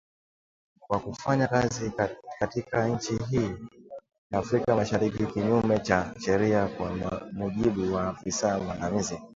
Kwa kufanya kazi katika nchi hiyo ya Afrika Mashariki kinyume cha sheria, kwa mujibu wa afisa mwandamizi.